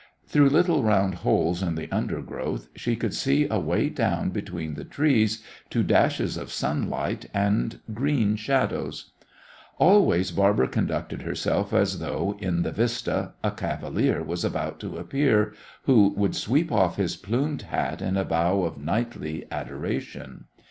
Through little round holes in the undergrowth she could see away down between the trees to dashes of sunlight and green shadows. Always Barbara conducted herself as though, in the vista, a cavalier was about to appear, who would sweep off his plumed hat in a bow of knightly adoration.